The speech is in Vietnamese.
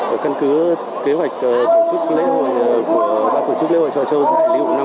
ở căn cứ kế hoạch tổ chức lễ hội chọi châu hải lụ năm hai nghìn hai mươi ba